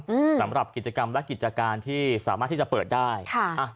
อืมสำหรับกิจกรรมและกิจการที่สามารถที่จะเปิดได้ค่ะอ่ะ